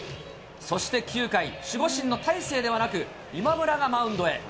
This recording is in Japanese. そして９回、守護神の大勢ではなく、今村がマウンドへ。